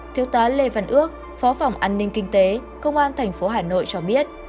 thiếu tá lê văn ước phó phòng an ninh kinh tế công an tp hà nội cho biết